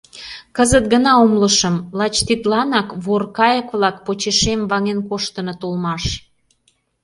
Кызыт гына умылышым: лач тидланак вор кайык-влак почешем ваҥен коштыныт улмаш.